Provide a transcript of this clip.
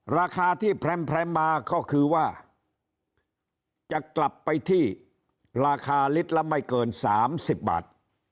ราคาที่แพร่มมาก็คือว่าจะกลับไปที่ราคาลิตรละไม่เกิน๓๐บาท